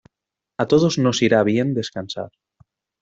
A todos nos irá bien descansar.